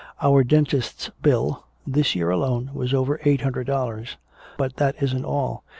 Our dentist's bill, this year alone, was over eight hundred dollars. But that isn't all.